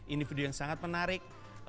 ini video yang sangat menarik